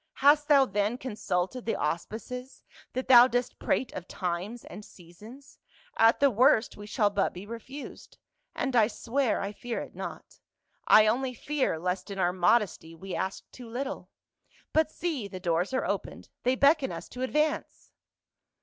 Hast thou then consulted the auspices, that thou dost prate of times and seasons ? At the worst, we shall but be refused — and I swear I fear it not. I only fear lest in our modesty we ask too little. But see, the doors are opened ! They beckon us to advance